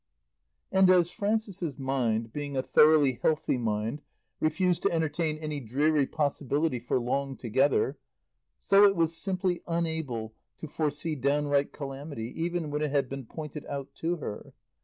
And as Frances's mind, being a thoroughly healthy mind, refused to entertain any dreary possibility for long together, so it was simply unable to foresee downright calamity, even when it had been pointed out to her.